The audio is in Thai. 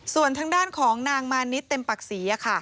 ส่วนทางด้านของนางมานิดเต็มปักศรี